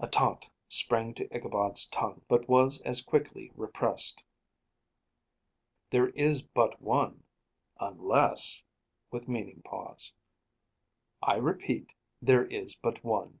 A taunt sprang to Ichabod's tongue, but was as quickly repressed. "There is but one, unless " with meaning pause. "I repeat, there is but one."